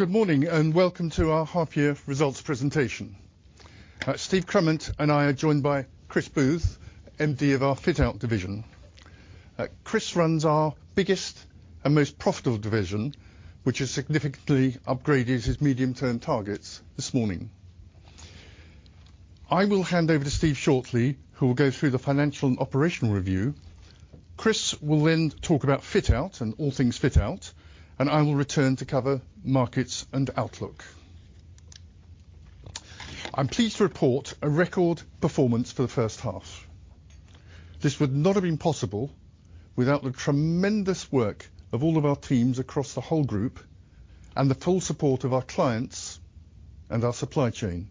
Well, good morning, and welcome to our half year results presentation. Steve Crummett and I are joined by Chris Booth, MD of our Fit Out division. Chris runs our biggest and most profitable division, which has significantly upgraded his medium-term targets this morning. I will hand over to Steve shortly, who will go through the financial and operational review. Chris will then talk about Fit Out and all things Fit Out, and I will return to cover markets and outlook. I'm pleased to report a record performance for the first half. This would not have been possible without the tremendous work of all of our teams across the whole group and the full support of our clients and our supply chain,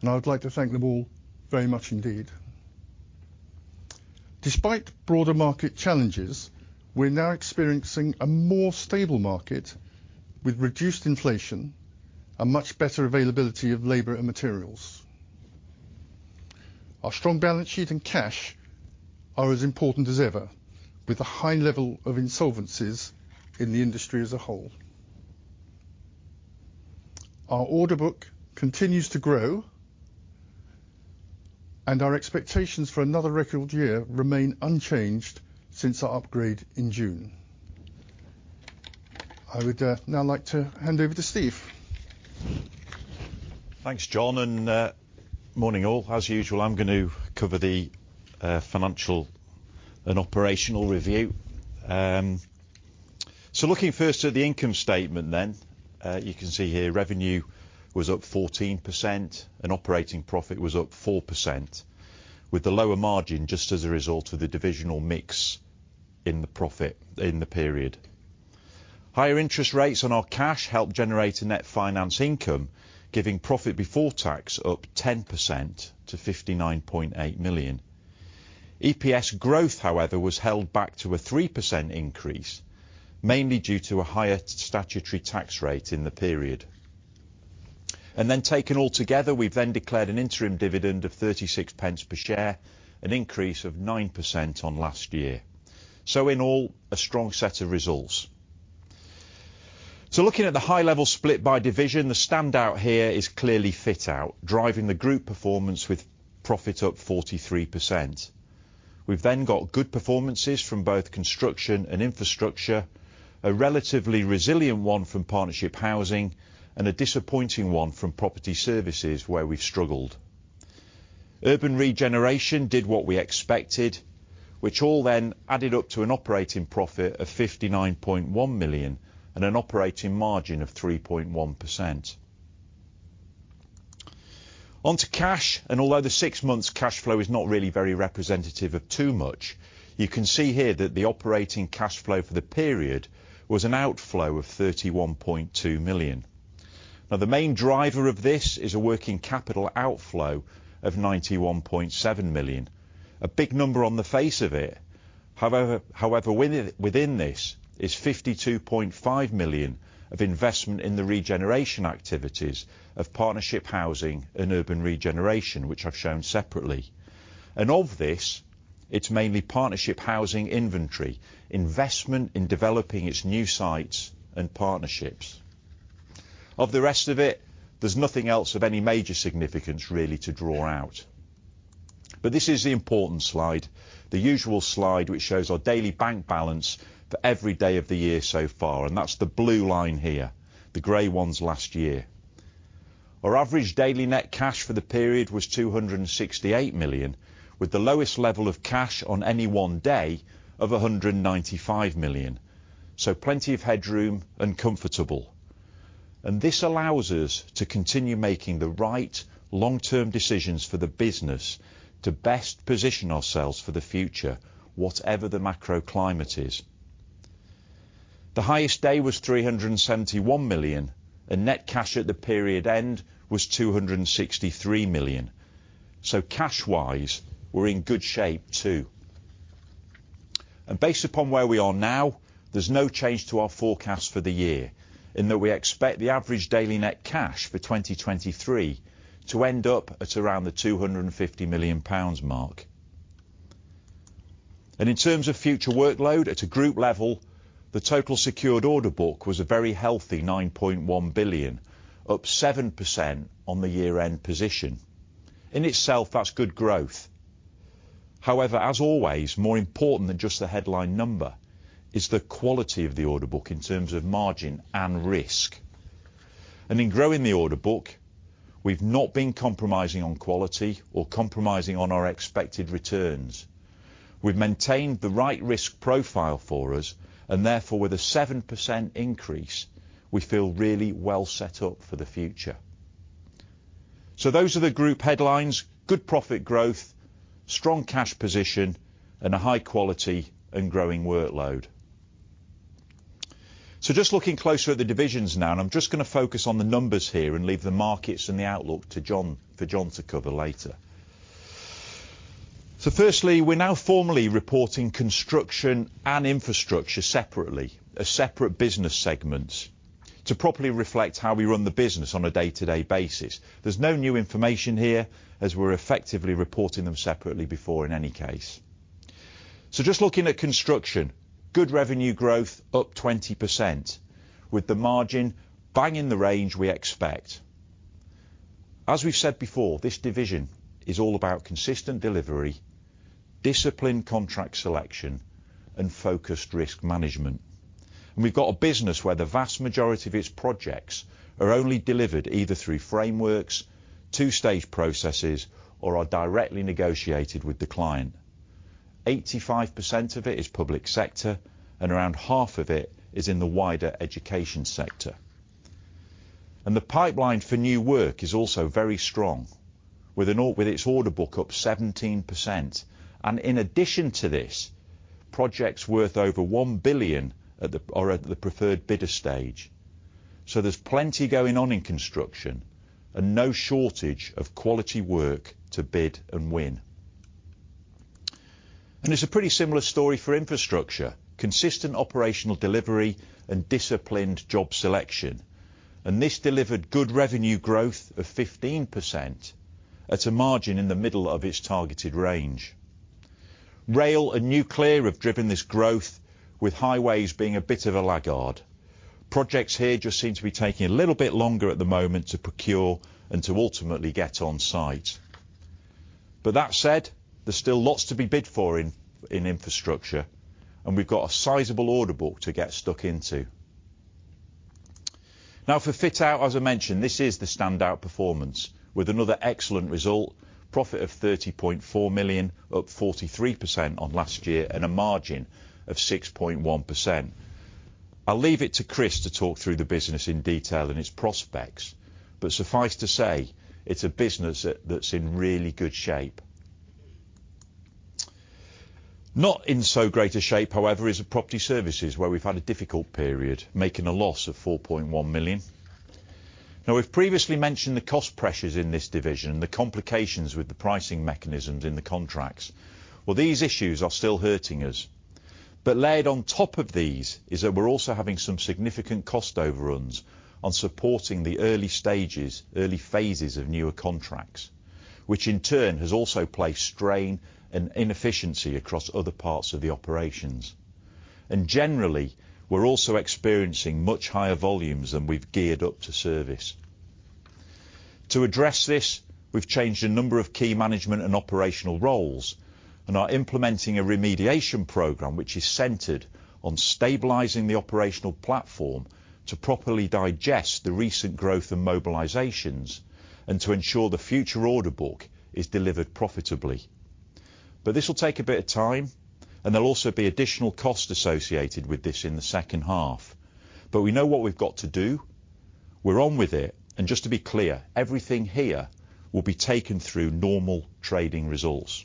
and I would like to thank them all very much indeed. Despite broader market challenges, we're now experiencing a more stable market with reduced inflation and much better availability of labor and materials. Our strong balance sheet and cash are as important as ever, with a high level of insolvencies in the industry as a whole. Our order book continues to grow, and our expectations for another record year remain unchanged since our upgrade in June. I would now like to hand over to Steve. Thanks, John. Morning, all. As usual, I'm going to cover the financial and operational review. Looking first at the income statement, you can see here revenue was up 14% and operating profit was up 4%, with the lower margin just as a result of the divisional mix in the profit in the period. Higher interest rates on our cash helped generate a net finance income, giving profit before tax up 10% to 59.8 million. EPS growth, however, was held back to a 3% increase, mainly due to a higher statutory tax rate in the period. Taken all together, we've then declared an interim dividend of 0.36 per share, an increase of 9% on last year. In all, a strong set of results. Looking at the high level split by division, the standout here is clearly Fit Out, driving the group performance with profit up 43%. We've got good performances from both Construction and Infrastructure, a relatively resilient one from Housing, and a disappointing one from Property Services, where we've struggled. Urban Regeneration did what we expected, which all then added up to an operating profit of 59.1 million and an operating margin of 3.1%. On to cash, although the 6 months cash flow is not really very representative of too much, you can see here that the operating cash flow for the period was an outflow of 31.2 million. The main driver of this is a working capital outflow of 91.7 million. A big number on the face of it, however, within this is 52.5 million of investment in the regeneration activities of Partnership Housing and Urban Regeneration, which I've shown separately. Of this, it's mainly Partnership Housing inventory, investment in developing its new sites and partnerships. Of the rest of it, there's nothing else of any major significance really to draw out. This is the important slide, the usual slide, which shows our daily bank balance for every day of the year so far. That's the blue line here, the gray one's last year. Our average daily net cash for the period was 268 million, with the lowest level of cash on any one day of 195 million, so plenty of headroom and comfortable. This allows us to continue making the right long-term decisions for the business to best position ourselves for the future, whatever the macro climate is. The highest day was 371 million, net cash at the period end was 263 million. Cash-wise, we're in good shape, too. Based upon where we are now, there's no change to our forecast for the year, in that we expect the average daily net cash for 2023 to end up at around the 250 million pounds mark. In terms of future workload, at a group level, the total secured order book was a very healthy 9.1 billion, up 7% on the year-end position. In itself, that's good growth. As always, more important than just the headline number is the quality of the order book in terms of margin and risk. In growing the order book, we've not been compromising on quality or compromising on our expected returns. We've maintained the right risk profile for us, and therefore, with a 7% increase, we feel really well set up for the future. Those are the group headlines: good profit growth, strong cash position, and a high quality and growing workload. Just looking closer at the divisions now, and I'm just going to focus on the numbers here and leave the markets and the outlook to John, for John to cover later. Firstly, we're now formally reporting Construction and Infrastructure separately, as separate business segments, to properly reflect how we run the business on a day-to-day basis. There's no new information here, as we're effectively reporting them separately before, in any case. Just looking at Construction, good revenue growth up 20%, with the margin bang in the range we expect. As we've said before, this division is all about consistent delivery, disciplined contract selection, and focused risk management. We've got a business where the vast majority of its projects are only delivered either through frameworks, two-stage processes, or are directly negotiated with the client. 85% of it is public sector, and around half of it is in the wider education sector. The pipeline for new work is also very strong, with its order book up 17%. In addition to this, projects worth over 1 billion are at the preferred bidder stage. There's plenty going on in Construction and no shortage of quality work to bid and win. It's a pretty similar story for Infrastructure, consistent operational delivery and disciplined job selection. This delivered good revenue growth of 15% at a margin in the middle of its targeted range. Rail and nuclear have driven this growth, with highways being a bit of a laggard. Projects here just seem to be taking a little bit longer at the moment to procure and to ultimately get on site. That said, there's still lots to be bid for in Infrastructure, and we've got a sizable order book to get stuck into. For Fit Out, as I mentioned, this is the standout performance, with another excellent result, profit of 30.4 million, up 43% on last year and a margin of 6.1%. I'll leave it to Chris to talk through the business in detail and its prospects. Suffice to say, it's a business that's in really good shape. Not in so great a shape, however, is in Property Services, where we've had a difficult period, making a loss of 4.1 million. We've previously mentioned the cost pressures in this division and the complications with the pricing mechanisms in the contracts. These issues are still hurting us. Layered on top of these is that we're also having some significant cost overruns on supporting the early stages, early phases of newer contracts, which in turn has also placed strain and inefficiency across other parts of the operations. Generally, we're also experiencing much higher volumes than we've geared up to service. To address this, we've changed a number of key management and operational roles and are implementing a remediation program, which is centered on stabilizing the operational platform to properly digest the recent growth and mobilizations and to ensure the future order book is delivered profitably. This will take a bit of time, and there'll also be additional costs associated with this in the second half. We know what we've got to do. We're on with it, and just to be clear, everything here will be taken through normal trading results.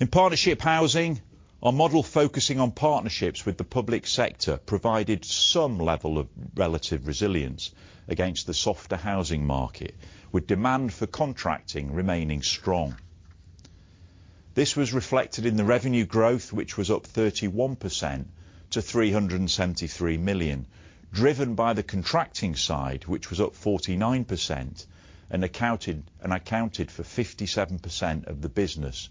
In Partnership Housing, our model, focusing on partnerships with the public sector, provided some level of relative resilience against the softer housing market, with demand for contracting remaining strong. This was reflected in the revenue growth, which was up 31% to 373 million, driven by the contracting side, which was up 49% and accounted for 57% of the business.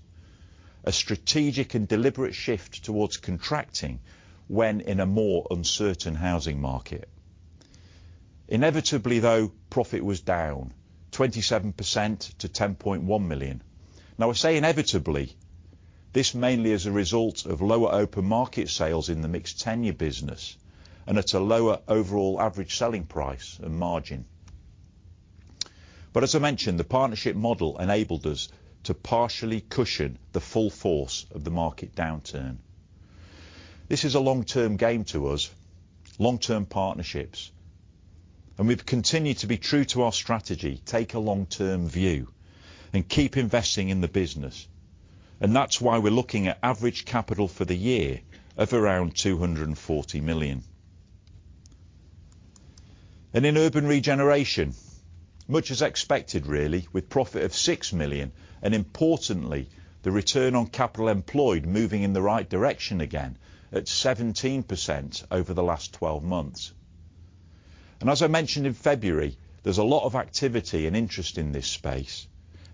A strategic and deliberate shift towards contracting when in a more uncertain housing market. Inevitably, though, profit was down 27% to 10.1 million. Now, I say inevitably, this mainly as a result of lower open market sales in the mixed-tenure business and at a lower overall average selling price and margin. As I mentioned, the partnership model enabled us to partially cushion the full force of the market downturn. This is a long-term game to us, long-term partnerships, and we've continued to be true to our strategy, take a long-term view and keep investing in the business. That's why we're looking at average capital for the year of around 240 million. In Urban Regeneration, much as expected, really, with profit of 6 million, and importantly, the return on capital employed moving in the right direction again at 17% over the last 12 months. As I mentioned in February, there's a lot of activity and interest in this space,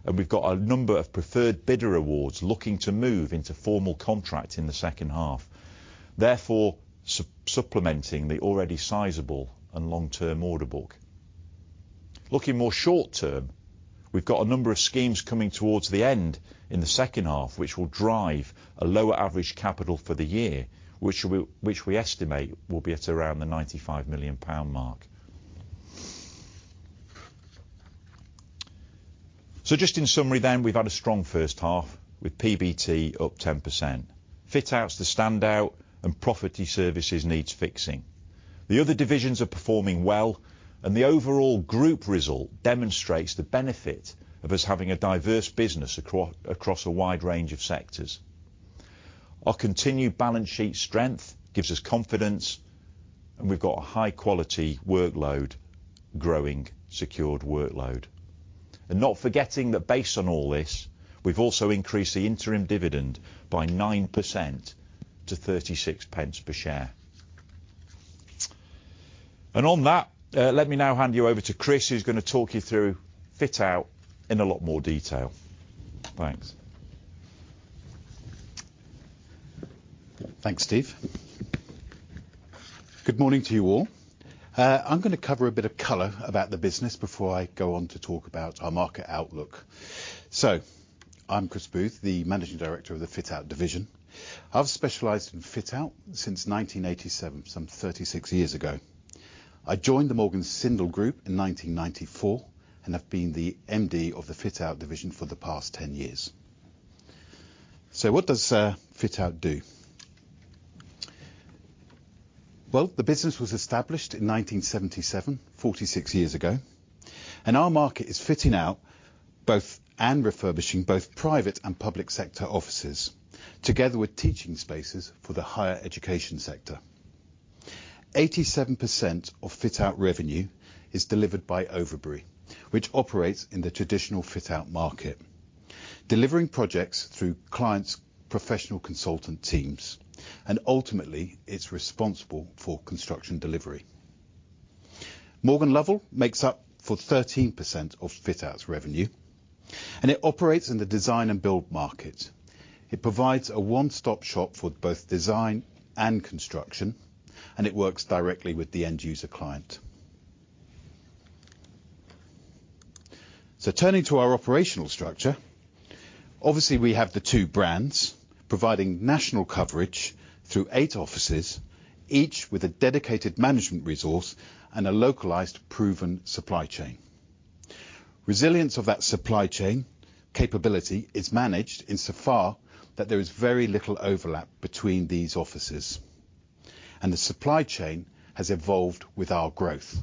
and we've got a number of preferred bidder awards looking to move into formal contract in the second half, therefore, supplementing the already sizable and long-term order book. Looking more short term, we've got a number of schemes coming towards the end in the second half, which will drive a lower average capital for the year, which we, which we estimate will be at around the 95 million pound mark. Just in summary, we've had a strong first half with PBT up 10%. Fit Out's the standout and Property Services needs fixing. The other divisions are performing well, and the overall group result demonstrates the benefit of us having a diverse business across a wide range of sectors. Our continued balance sheet strength gives us confidence, and we've got a high-quality workload, growing secured workload. Not forgetting that based on all this, we've also increased the interim dividend by 9% to 0.36 per share. On that, let me now hand you over to Chris, who's going to talk you through Fit Out in a lot more detail. Thanks. Thanks, Steve. Good morning to you all. I'm going to cover a bit of color about the business before I go on to talk about our market outlook. I'm Chris Booth, the managing director of the Fit Out division. I've specialized in Fit Out since 1987, some 36 years ago. I joined the Morgan Sindall Group in 1994, and I've been the MD of the Fit Out division for the past 10 years. What does Fit Out do? Well, the business was established in 1977, 46 years ago, and our market is fitting out both, and refurbishing both private and public sector offices, together with teaching spaces for the higher education sector. 87% of Fit Out revenue is delivered by Overbury, which operates in the traditional Fit Out market, delivering projects through clients' professional consultant teams, and ultimately, it's responsible for construction delivery. Morgan Lovell makes up for 13% of Fit Out's revenue, and it operates in the design and build market. It provides a one-stop shop for both design and construction, and it works directly with the end user client. Turning to our operational structure, obviously, we have the two brands providing national coverage through eight offices, each with a dedicated management resource and a localized, proven supply chain. Resilience of that supply chain capability is managed insofar that there is very little overlap between these offices, and the supply chain has evolved with our growth.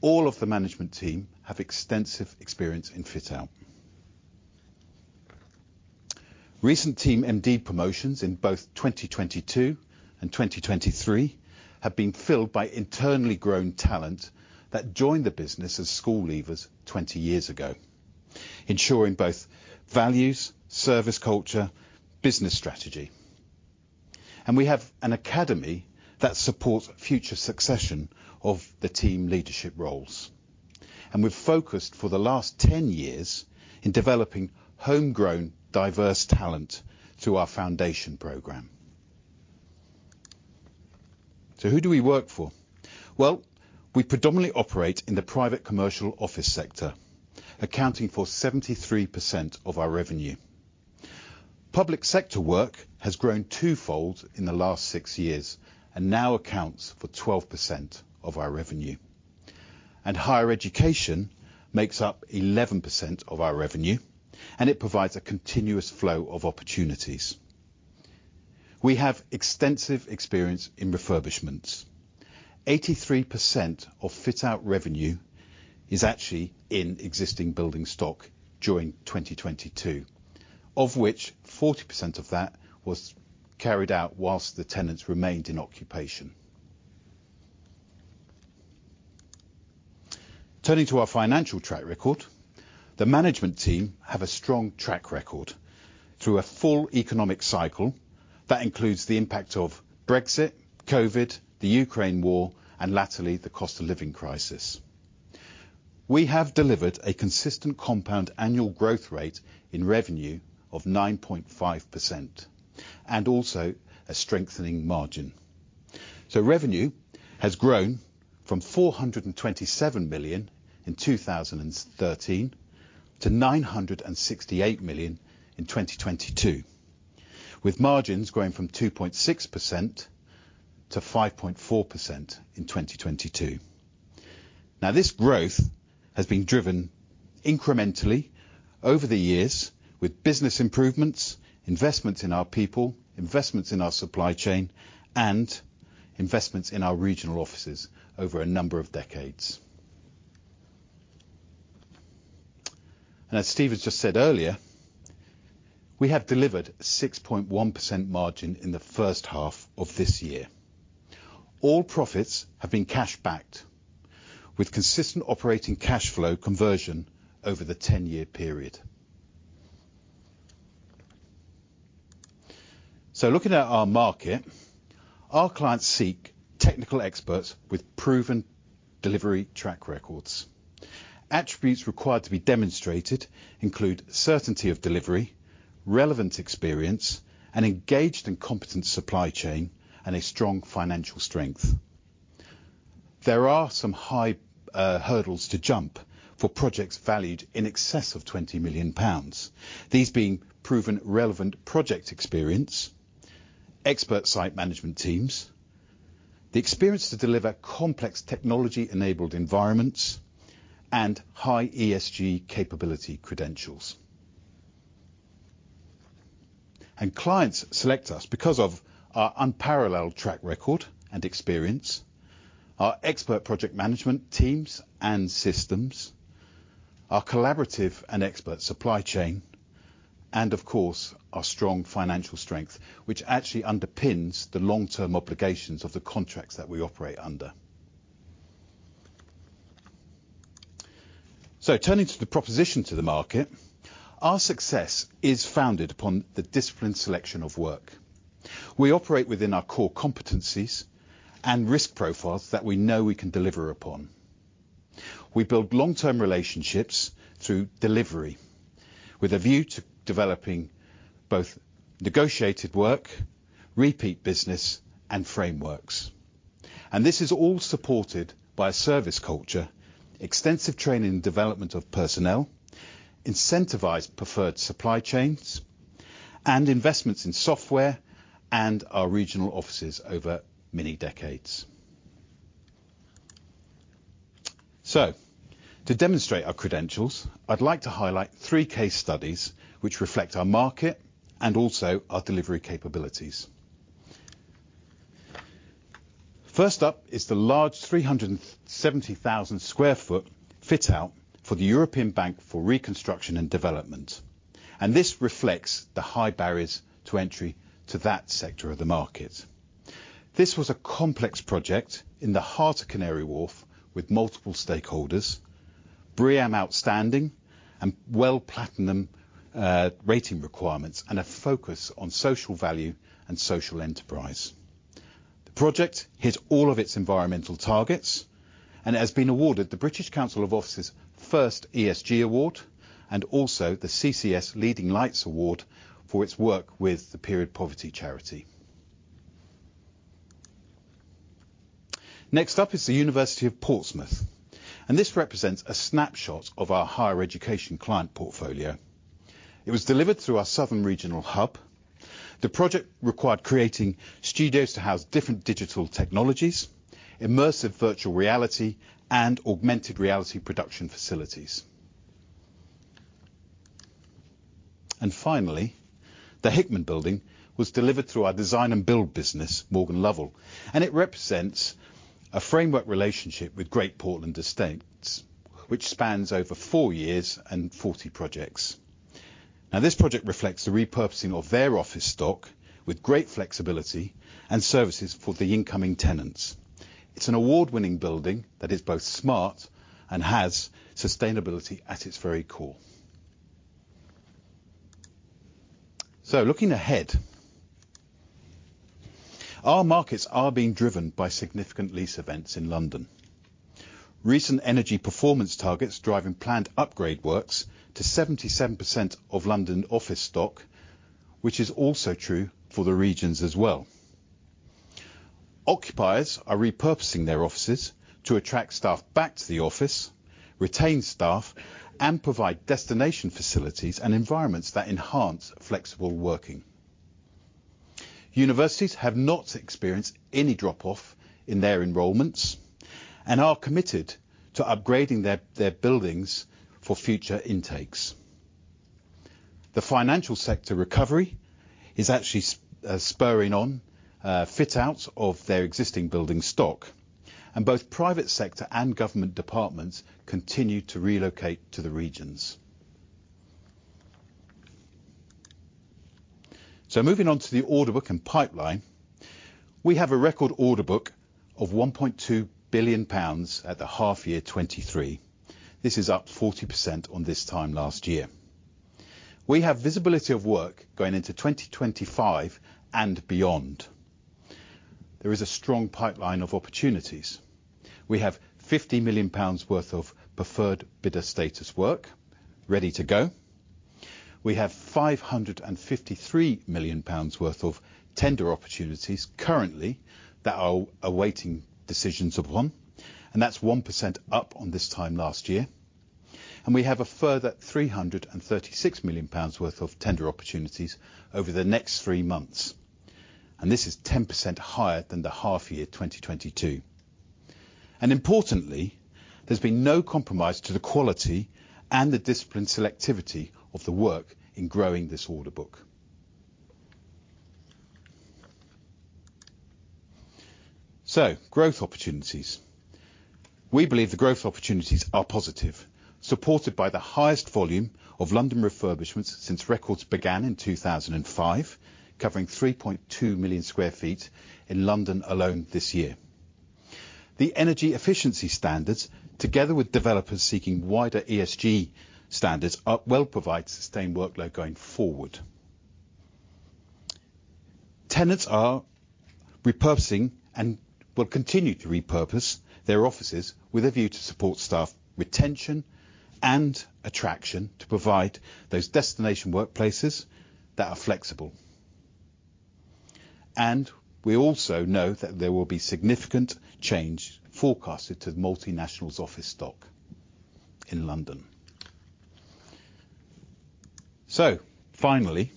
All of the management team have extensive experience in Fit Out. Recent team MD promotions in both 2022 and 2023 have been filled by internally grown talent that joined the business as school leavers 20 years ago, ensuring both values, service culture, business strategy. We have an academy that supports future succession of the team leadership roles, and we've focused for the last 10 years in developing homegrown, diverse talent through our Foundation Programme. Who do we work for? Well, we predominantly operate in the private commercial office sector, accounting for 73% of our revenue. Public sector work has grown twofold in the last six years and now accounts for 12% of our revenue. Higher education makes up 11% of our revenue, and it provides a continuous flow of opportunities. We have extensive experience in refurbishments. 83% of Fit Out revenue is actually in existing building stock during 2022, of which 40% of that was carried out whilst the tenants remained in occupation. Turning to our financial track record, the management team have a strong track record through a full economic cycle that includes the impact of Brexit, COVID, the Ukraine War, and latterly, the cost of living crisis. We have delivered a consistent compound annual growth rate in revenue of 9.5% and also a strengthening margin. Revenue has grown from 427 million in 2013 to 968 million in 2022, with margins growing from 2.6% to 5.4% in 2022. This growth has been driven incrementally over the years with business improvements, investments in our people, investments in our supply chain, and investments in our regional offices over a number of decades. As Steve has just said earlier, we have delivered a 6.1% margin in the first half of this year. All profits have been cash-backed, with consistent operating cash flow conversion over the 10-year period. Looking at our market, our clients seek technical experts with proven delivery track records. Attributes required to be demonstrated include certainty of delivery, relevant experience, an engaged and competent supply chain, and a strong financial strength. There are some high hurdles to jump for projects valued in excess of 20 million pounds, these being proven relevant project experience, expert site management teams, the experience to deliver complex technology-enabled environments, and high ESG capability credentials. Clients select us because of our unparalleled track record and experience, our expert project management teams and systems, our collaborative and expert supply chain, and of course, our strong financial strength, which actually underpins the long-term obligations of the contracts that we operate under. Turning to the proposition to the market, our success is founded upon the disciplined selection of work. We operate within our core competencies and risk profiles that we know we can deliver upon. We build long-term relationships through delivery, with a view to developing both negotiated work, repeat business, and frameworks. This is all supported by a service culture, extensive training and development of personnel, incentivized preferred supply chains, and investments in software and our regional offices over many decades. To demonstrate our credentials, I'd like to highlight three case studies which reflect our market and also our delivery capabilities. First up is the large 370,000 sq ft fit-out for the European Bank for Reconstruction and Development. This reflects the high barriers to entry to that sector of the market. This was a complex project in the heart of Canary Wharf, with multiple stakeholders, BREEAM Outstanding, and WELL Platinum rating requirements, and a focus on social value and social enterprise. The project hit all of its environmental targets and has been awarded the British Council for Offices' first ESG award and also the CCS Leading Lights award for its work with the Period Poverty charity. Next up is the University of Portsmouth. This represents a snapshot of our higher education client portfolio. It was delivered through our southern regional hub. The project required creating studios to house different digital technologies, immersive virtual reality, and augmented reality production facilities. Finally, the Hickman Building was delivered through our design and build business, Morgan Lovell, and it represents a framework relationship with Great Portland Estates, which spans over four years and 40 projects. This project reflects the repurposing of their office stock with great flexibility and services for the incoming tenants. It's an award-winning building that is both smart and has sustainability at its very core. Looking ahead, our markets are being driven by significant lease events in London. Recent energy performance targets driving planned upgrade works to 77% of London office stock, which is also true for the regions as well. Occupiers are repurposing their offices to attract staff back to the office, retain staff, and provide destination facilities and environments that enhance flexible working. Universities have not experienced any drop-off in their enrollments and are committed to upgrading their buildings for future intakes. The financial sector recovery is actually spurring on fit-outs of their existing building stock, and both private sector and government departments continue to relocate to the regions. Moving on to the order book and pipeline. We have a record order book of 1.2 billion pounds at the half year 2023. This is up 40% on this time last year. We have visibility of work going into 2025 and beyond. There is a strong pipeline of opportunities. We have 50 million pounds worth of preferred bidder status work ready to go. We have 553 million pounds worth of tender opportunities currently that are awaiting decisions of one, and that's 1% up on this time last year. We have a further 336 million pounds worth of tender opportunities over the next three months, and this is 10% higher than the half year 2022. Importantly, there's been no compromise to the quality and the disciplined selectivity of the work in growing this order book. Growth opportunities. We believe the growth opportunities are positive, supported by the highest volume of London refurbishments since records began in 2005, covering 3.2 million sq ft in London alone this year. The energy efficiency standards, together with developers seeking wider ESG standards, are well provide sustained workload going forward. Tenants are repurposing and will continue to repurpose their offices with a view to support staff retention and attraction, to provide those destination workplaces that are flexible. We also know that there will be significant change forecasted to multinationals office stock in London. Finally,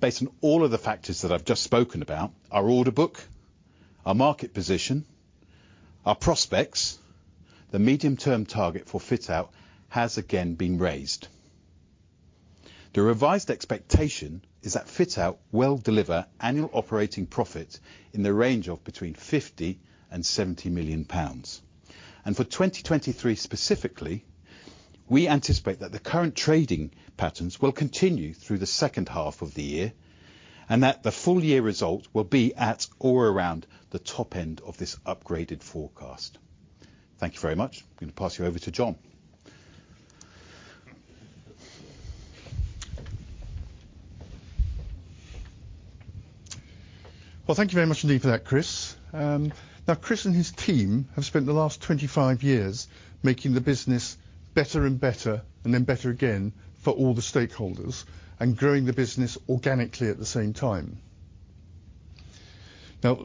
based on all of the factors that I've just spoken about, our order book, our market position, our prospects, the medium-term target for Fit Out has again been raised. The revised expectation is that Fit Out will deliver annual operating profit in the range of between 50 million and 70 million pounds. For 2023 specifically, we anticipate that the current trading patterns will continue through the second half of the year and that the full year result will be at or around the top end of this upgraded forecast. Thank you very much. I'm going to pass you over to John. Well, thank you very much indeed for that, Chris. Chris and his team have spent the last 25 years making the business better and better, and then better again for all the stakeholders, and growing the business organically at the same time.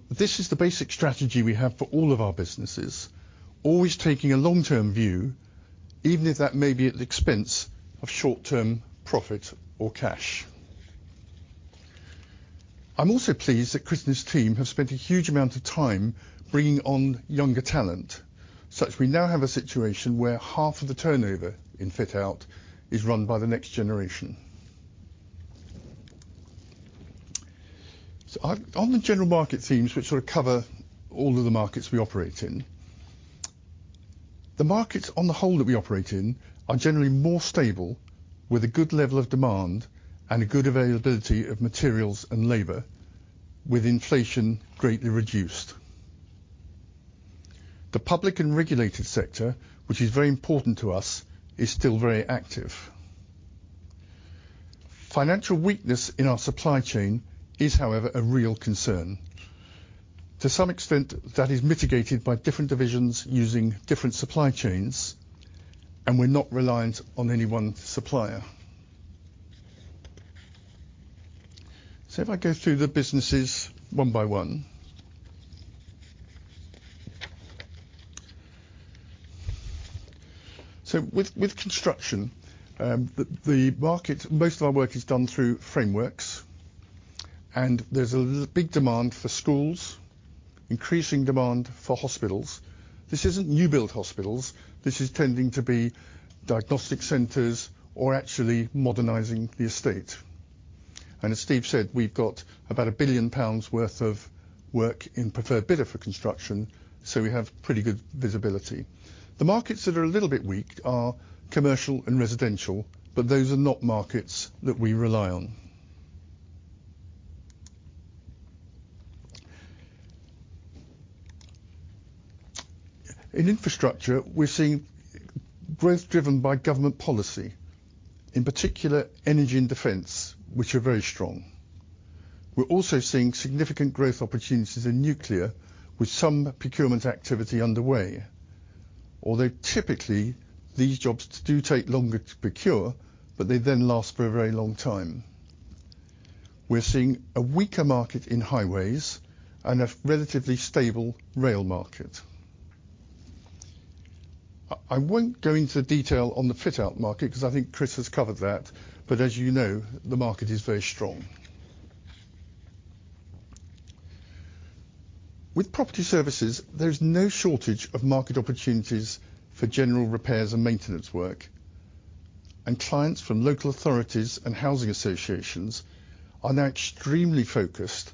This is the basic strategy we have for all of our businesses, always taking a long-term view, even if that may be at the expense of short-term profit or cash. I'm also pleased that Chris and his team have spent a huge amount of time bringing on younger talent, such we now have a situation where half of the turnover in Fit Out is run by the next generation. On, on the general market themes, which sort of cover all of the markets we operate in, the markets on the whole that we operate in are generally more stable, with a good level of demand and a good availability of materials and labor, with inflation greatly reduced. The public and regulated sector, which is very important to us, is still very active. Financial weakness in our supply chain is, however, a real concern. To some extent, that is mitigated by different divisions using different supply chains, and we're not reliant on any one supplier. If I go through the businesses one by one. With Construction, the market, most of our work is done through frameworks, and there's a big demand for schools, increasing demand for hospitals. This isn't new-build hospitals. This is tending to be diagnostic centers or actually modernizing the estate. As Steve said, we've got about 1 billion pounds worth of work in preferred bidder for Construction, so we have pretty good visibility. The markets that are a little bit weak are commercial and residential, but those are not markets that we rely on. In Infrastructure, we're seeing growth driven by government policy, in particular, energy and defense, which are very strong. We're also seeing significant growth opportunities in nuclear, with some procurement activity underway. Typically, these jobs do take longer to procure, but they then last for a very long time. We're seeing a weaker market in highways and a relatively stable rail market. I won't go into detail on the Fit Out market because I think Chris has covered that, but as you know, the market is very strong. With Property Services, there is no shortage of market opportunities for general repairs and maintenance work. Clients from local authorities and housing associations are now extremely focused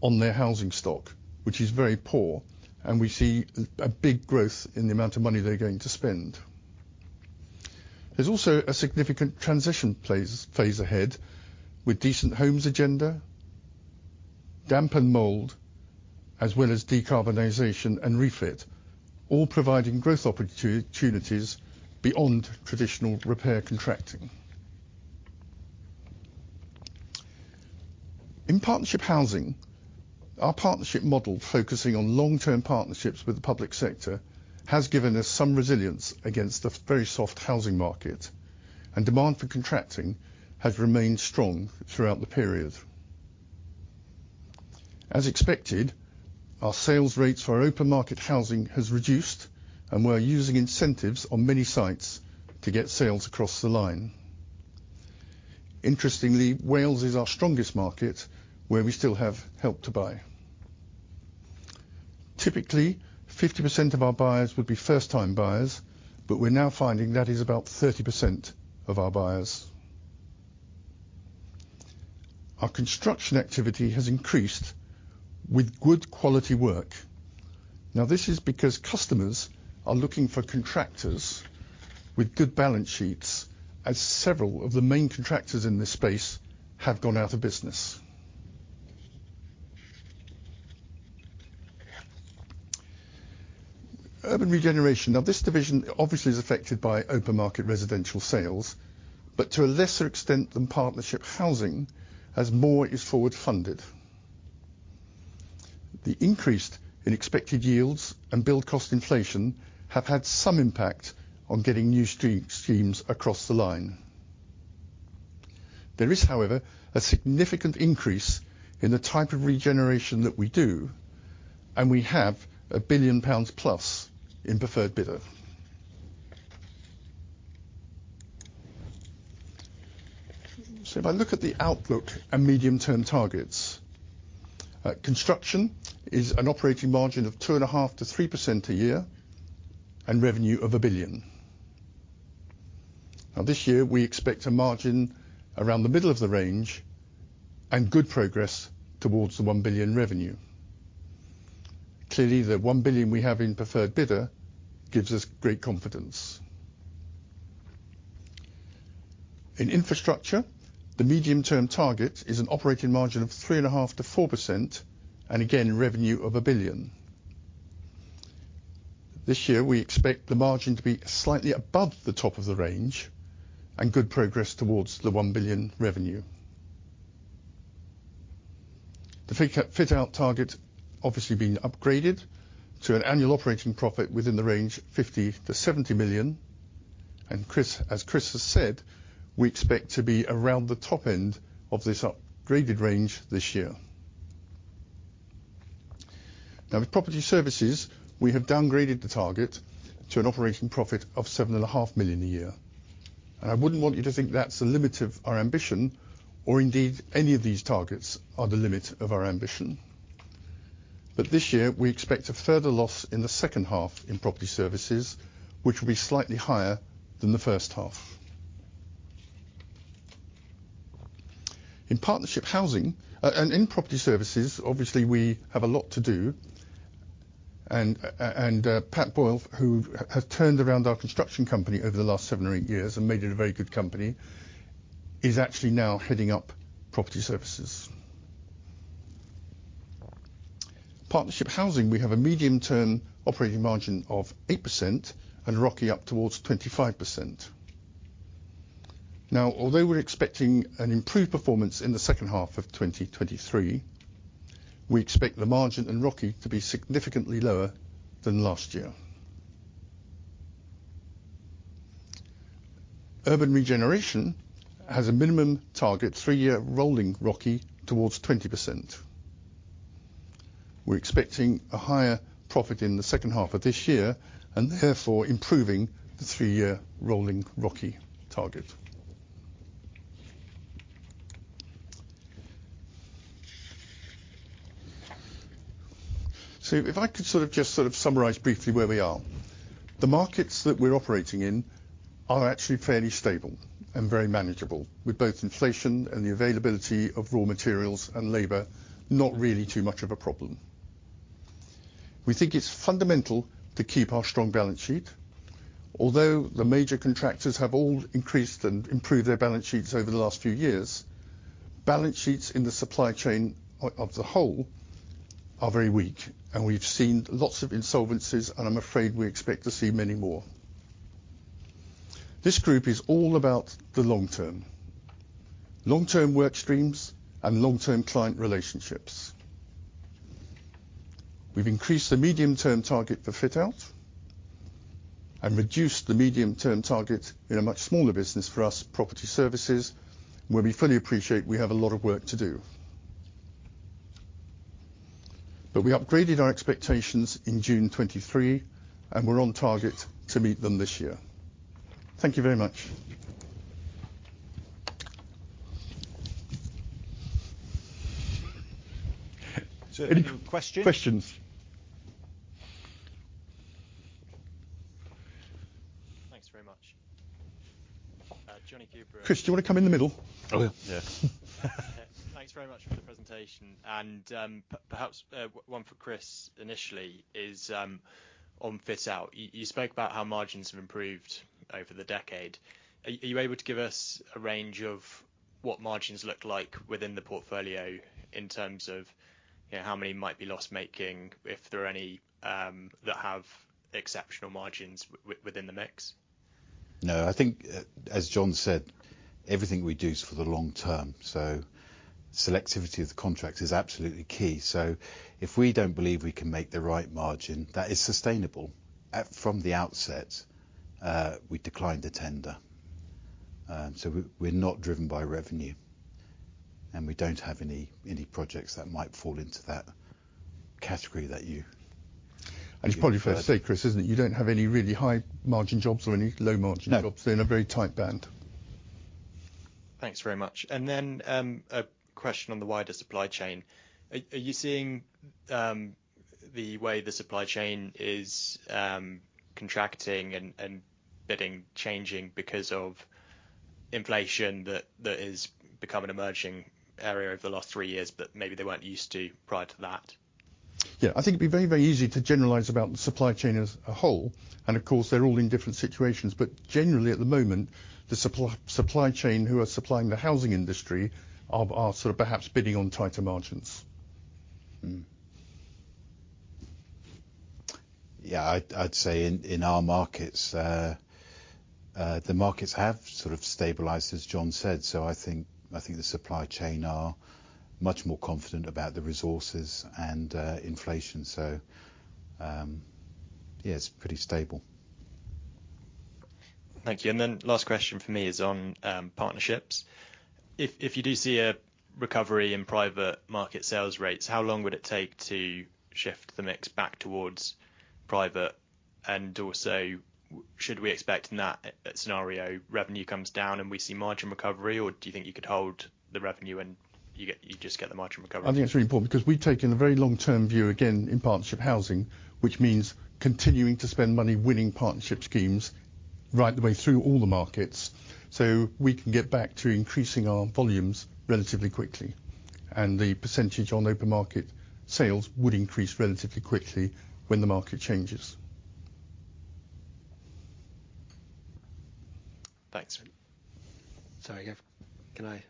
on their housing stock, which is very poor, and we see a big growth in the amount of money they're going to spend. There's also a significant transition phase ahead with Decent Homes Standard, damp and mold, as well as decarbonization and retrofit, all providing growth opportunities beyond traditional repair contracting. In Partnership Housing, our partnership model, focusing on long-term partnerships with the public sector, has given us some resilience against the very soft housing market. Demand for contracting has remained strong throughout the period. As expected, our sales rates for our open market housing has reduced. We're using incentives on many sites to get sales across the line. Interestingly, Wales is our strongest market, where we still have Help to Buy. Typically, 50% of our buyers would be first-time buyers, but we're now finding that is about 30% of our buyers. Our Construction activity has increased with good quality work. Now, this is because customers are looking for contractors with good balance sheets, as several of the main contractors in this space have gone out of business. Urban Regeneration. Now, this division obviously is affected by open market residential sales, but to a lesser extent than Partnership Housing, as more is forward-funded. The increased in expected yields and build cost inflation have had some impact on getting new streams, schemes across the line. There is, however, a significant increase in the type of regeneration that we do, and we have 1 billion pounds+ in preferred bidder. If I look at the outlook and medium-term targets, Construction is an operating margin of 2.5%-3% a year and revenue of 1 billion. This year, we expect a margin around the middle of the range and good progress towards the 1 billion revenue. Clearly, the 1 billion we have in preferred bidder gives us great confidence. In Infrastructure, the medium-term target is an operating margin of 3.5%-4%, again, revenue of 1 billion. This year, we expect the margin to be slightly above the top of the range, and good progress towards the 1 billion revenue. The Fit Out target obviously being upgraded to an annual operating profit within the range 50 million-70 million, and Chris, as Chris has said, we expect to be around the top end of this upgraded range this year. Now, with Property Services, we have downgraded the target to an operating profit of 7.5 million a year. I wouldn't want you to think that's the limit of our ambition, or indeed, any of these targets are the limit of our ambition. This year, we expect a further loss in the second half in Property Services, which will be slightly higher than the first half. In Partnership Housing, and in Property Services, obviously, we have a lot to do, and Pat Boyle, who has turned around our Construction company over the last seven or eight years and made it a very good company, is actually now heading up Property Services. Partnership Housing, we have a medium-term operating margin of 8% and ROCE up towards 25%. Now, although we're expecting an improved performance in the second half of 2023, we expect the margin and ROCE to be significantly lower than last year. Urban Regeneration has a minimum target, three-year rolling ROCE towards 20%. We're expecting a higher profit in the second half of this year, and therefore improving the three-year rolling ROCE target. If I could sort of just sort of summarize briefly where we are. The markets that we're operating in are actually fairly stable and very manageable, with both inflation and the availability of raw materials and labor, not really too much of a problem. We think it's fundamental to keep our strong balance sheet. Although the major contractors have all increased and improved their balance sheets over the last few years, balance sheets in the supply chain of the whole are very weak, and we've seen lots of insolvencies, and I'm afraid we expect to see many more. This group is all about the long term, long-term work streams and long-term client relationships. We've increased the medium-term target for Fit Out and reduced the medium-term target in a much smaller business for us, Property Services, where we fully appreciate we have a lot of work to do. We upgraded our expectations in June 2023, and we're on target to meet them this year. Thank you very much. Any questions? Questions. Thanks very much. Jonny Coubrough... Chris, do you want to come in the middle? Oh, yeah. Yes. Thanks very much for the presentation. Perhaps one for Chris, initially, is on Fit Out. You spoke about how margins have improved over the decade. Are you able to give us a range of what margins look like within the portfolio in terms of, you know, how many might be loss-making, if there are any that have exceptional margins within the mix? I think, as John said, everything we do is for the long term, so selectivity of the contracts is absolutely key. If we don't believe we can make the right margin that is sustainable, from the outset, we decline the tender. We're not driven by revenue, and we don't have any, any projects that might fall into that category that you-. It's probably fair to say, Chris, isn't it? You don't have any really high-margin jobs or any low-margin jobs. No. They're in a very tight band. Thanks very much. A question on the wider supply chain. Are you seeing, the way the supply chain is, contracting and, and bidding changing because of inflation that has become an emerging area over the last three years, but maybe they weren't used to prior to that? Yeah, I think it'd be very, very easy to generalize about the supply chain as a whole, and of course, they're all in different situations. Generally, at the moment, the supply chain who are supplying the housing industry are sort of perhaps bidding on tighter margins. Yeah, I'd say in our markets, the markets have sort of stabilized, as John said. I think, I think the supply chain are much more confident about the resources and inflation. Yeah, it's pretty stable. Thank you. Then last question for me is on, partnerships. If, if you do see a recovery in private market sales rates, how long would it take to shift the mix back towards private? Also, should we expect in that scenario, revenue comes down and we see margin recovery, or do you think you could hold the revenue and you just get the margin recovery? I think it's really important, because we've taken a very long-term view, again, in Partnership Housing, which means continuing to spend money winning partnership schemes right the way through all the markets, so we can get back to increasing our volumes relatively quickly. The % on open market sales would increase relatively quickly when the market changes. Thanks. Sorry, can I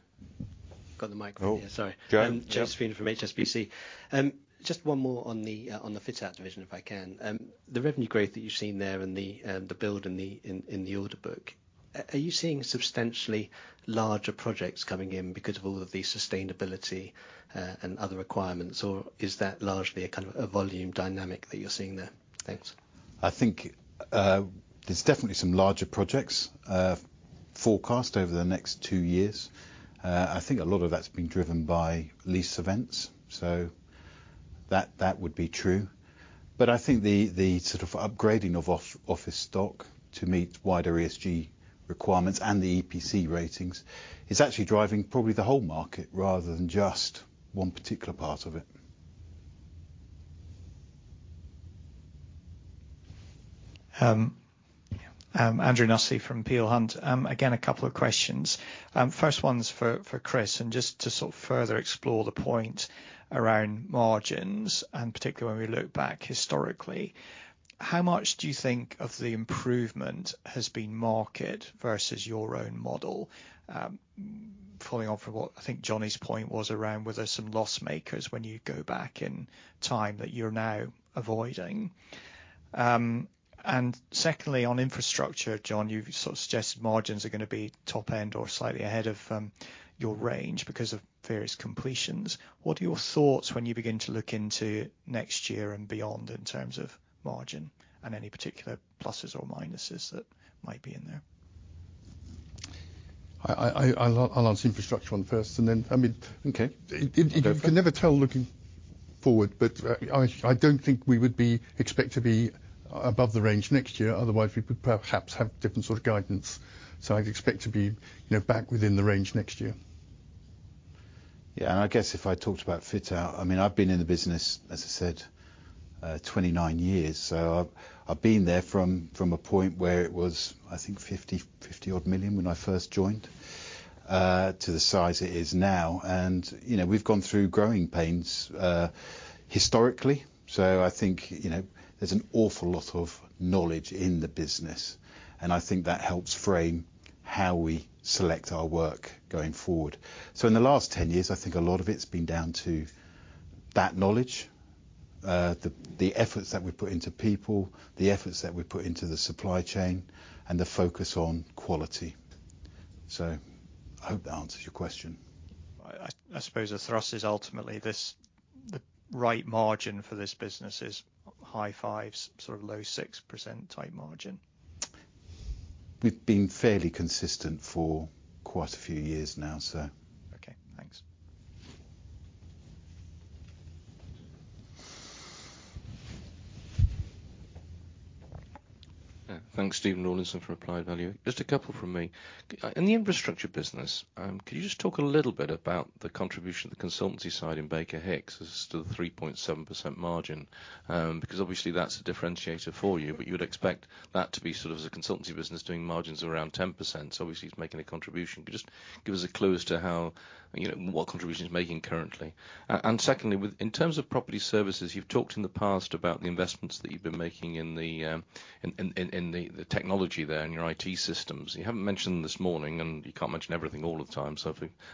got the mic? Oh. Yeah, sorry. Go ahead. [Josephine] from HSBC. Just one more on the Fit Out division, if I can. The revenue growth that you've seen there and the build in the order book, are you seeing substantially larger projects coming in because of all of the sustainability and other requirements, or is that largely a kind of a volume dynamic that you're seeing there? Thanks. I think, there's definitely some larger projects, forecast over the next two years. I think a lot of that's been driven by lease events, so that would be true. I think the, the sort of upgrading of off-office stock to meet wider ESG requirements and the EPC ratings is actually driving probably the whole market rather than just one particular part of it. Andrew Nussey from Peel Hunt. Again, two questions. First one's for Chris, and just to sort of further explore the point around margins, and particularly when we look back historically, how much do you think of the improvement has been market versus your own model? Following on from what I think Johnny's point was around, were there some loss makers when you go back in time that you're now avoiding? Secondly, on Infrastructure, John, you've sort of suggested margins are gonna be top end or slightly ahead of, your range because of various completions. What are your thoughts when you begin to look into next year and beyond in terms of margin and any particular pluses or minuses that might be in there? I'll answer Infrastructure one first, and then, I mean. Okay. You can never tell looking forward, but, I don't think we would be, expect to be above the range next year, otherwise we would perhaps have different sort of guidance. I'd expect to be, you know, back within the range next year. Yeah, I guess if I talked about Fit Out, I mean, I've been in the business, as I said, 29 years. I've, I've been there from, from a point where it was, I think, 50 odd million when I first joined, to the size it is now. You know, we've gone through growing pains historically. I think, you know, there's an awful lot of knowledge in the business, and I think that helps frame how we select our work going forward. In the last 10 years, I think a lot of it's been down to that knowledge, the efforts that we put into people, the efforts that we put into the supply chain, and the focus on quality. I hope that answers your question. I suppose the thrust is ultimately this, the right margin for this business is high 5s, sort of low 6% type margin. We've been fairly consistent for quite a few years now. Okay, thanks. Thanks, Stephen Rawlinson from Applied Value. Just a couple from me. In the Infrastructure business, can you just talk a little bit about the contribution of the consultancy side in BakerHicks as to the 3.7% margin? Because obviously that's a differentiator for you, but you would expect that to be sort of the consultancy business doing margins around 10%. Obviously, it's making a contribution. Just give us a clue as to how, you know, what contribution it's making currently. Secondly, with, in terms of Property Services, you've talked in the past about the investments that you've been making in the technology there and your IT systems. You haven't mentioned this morning, you can't mention everything all the time.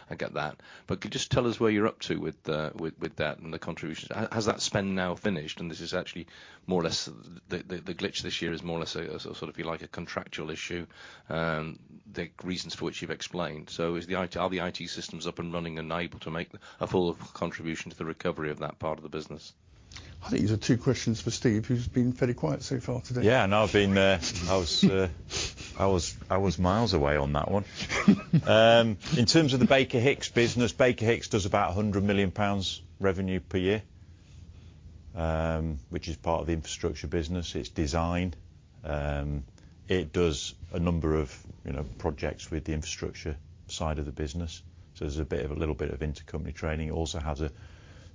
I get that. Could you just tell us where you're up to with that and the contribution? Has, has that spend now finished, and this is actually more or less the the glitch this year is more or less a, sort of, if you like, a contractual issue, the reasons for which you've explained? Are the IT systems up and running and able to make a full contribution to the recovery of that part of the business? I think these are two questions for Steve, who's been fairly quiet so far today. Yeah, I know I've been... I was miles away on that one. In terms of the BakerHicks business, BakerHicks does about 100 million pounds revenue per year, which is part of the Infrastructure business. It's designed, it does a number of, you know, projects with the Infrastructure side of the business, so there's a bit of a little bit of intercompany training. It also has a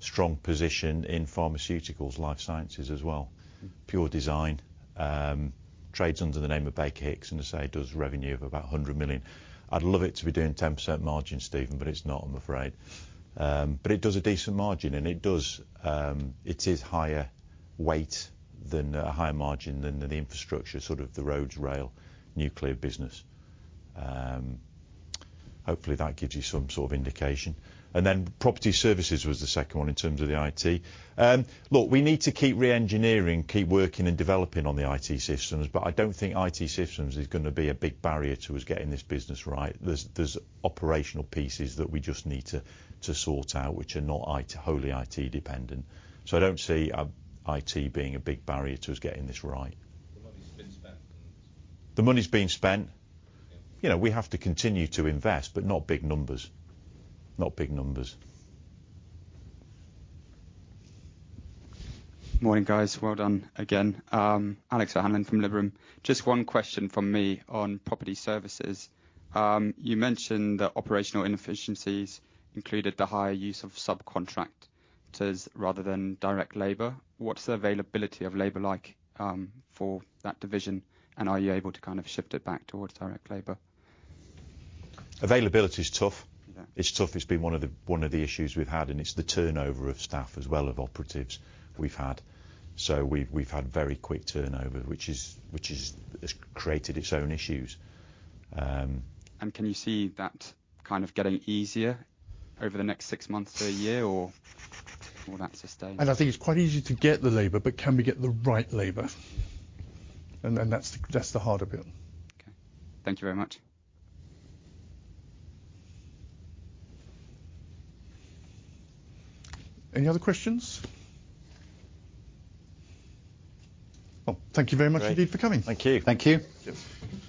strong position in pharmaceuticals, life sciences as well. Pure design, trades under the name of BakerHicks, and I say does revenue of about 100 million. I'd love it to be doing 10% margin, Stephen, but it's not, I'm afraid. But it does a decent margin, and it does, it is higher weight than a higher margin than the Infrastructure, sort of the roads, rail, nuclear business. Hopefully, that gives you some sort of indication. Then Property Services was the second one in terms of the IT. Look, we need to keep re-engineering, keep working and developing on the IT systems, I don't think IT systems is gonna be a big barrier to us getting this business right. There's operational pieces that we just need to sort out, which are not IT, wholly IT dependent. I don't see, IT being a big barrier to us getting this right. The money's been spent? The money's been spent. You know, we have to continue to invest, but not big numbers, not big numbers. Morning, guys. Well done again. Alex O'Hanlon from Liberum. Just one question from me on Property Services. You mentioned that operational inefficiencies included the higher use of subcontractors rather than direct labor. What's the availability of labor like for that division, and are you able to kind of shift it back towards direct labor? Availability is tough. Yeah. It's tough. It's been one of the, one of the issues we've had, and it's the turnover of staff as well, of operatives we've had. We've, we've had very quick turnover, which is, which is, has created its own issues. Can you see that kind of getting easier over the next 6 months to 1 year, or will that sustain? I think it's quite easy to get the labor, but can we get the right labor? That's the, that's the harder bit. Okay. Thank you very much. Any other questions? Well, thank you very much indeed for coming. Thank you. Thank you. Thank you.